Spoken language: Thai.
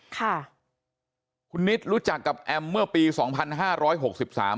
ค่ะคุณนิดรู้จักกับแอมเมื่อปีสองพันห้าร้อยหกสิบสาม